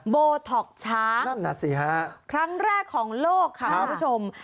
โบท็อกช้างครั้งแรกของโลกค่ะคุณผู้ชม